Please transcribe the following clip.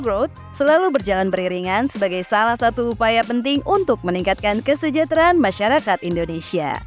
growth selalu berjalan beriringan sebagai salah satu upaya penting untuk meningkatkan kesejahteraan masyarakat indonesia